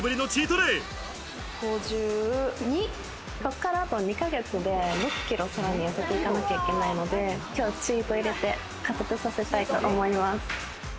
こっからあと２か月で６キロ、さらに痩せていかないといけないので、今日チート入れて、加速させたいと思います。